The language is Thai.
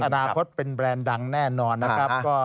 อนาคตเป็นแบรนด์ดังแน่นอนนะครับ